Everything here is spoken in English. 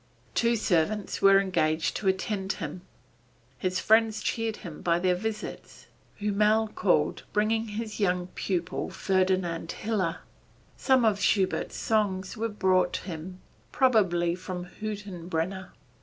Two servants were engaged to attend him. His friends cheered him by their visits. Hümmel called, bringing his young pupil Ferdinand Hiller. Some of Schubert's songs were brought him, probably by Hüttenbrenner.